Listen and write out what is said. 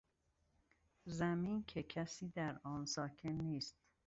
زمین که کسی در آن ساکن نیست